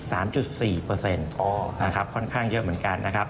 แต่พวกบอกปีราศชาติอากาศ